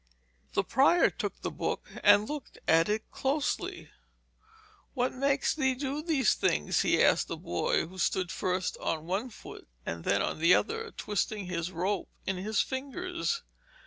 The prior took the book and looked at it closely. 'What makes thee do these things?' he asked the boy, who stood first on one foot and then on the other, twisting his rope in his fingers.